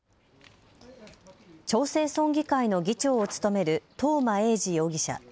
長生村議会の議長を務める東間永次容疑者。